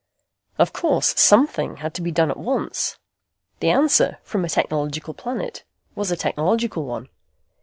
Of course, something had to be done at once. The answer, from a technological planet, was a technological one.